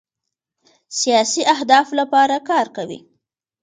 سیاسي اهدافو لپاره کار کوي.